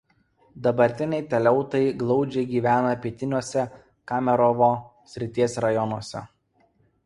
Dabartiniai teleutai glaudžiai gyvena pietiniuose Kemerovo srities rajonuose.